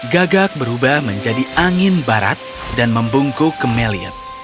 gagak berubah menjadi angin barat dan membungkuk ke meliot